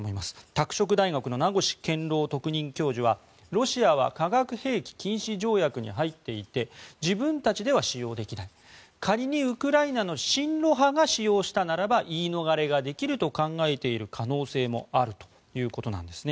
拓殖大学の名越健郎特任教授はロシアは化学兵器禁止条約に入っていて自分たちでは使用できない仮にウクライナの親ロ派が使用したならば言い逃れができると考えている可能性もあるということです。